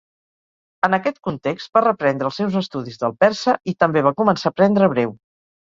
En aquest context, va reprendre els seus estudis del persa i també va començar a aprendre hebreu.